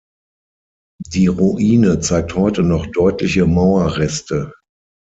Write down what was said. Die Ruine zeigt heute noch deutliche Mauerreste.